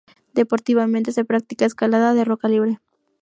Deportivamente se practica escalada de roca libre.